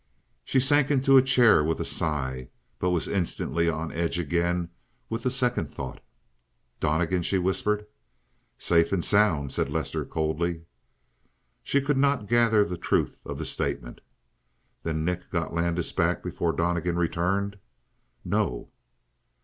She sank into a chair with a sigh, but was instantly on edge again with the second thought. "Donnegan?" she whispered. "Safe and sound," said Lester coldly. She could not gather the truth of the statement. "Then Nick got Landis back before Donnegan returned?" "No."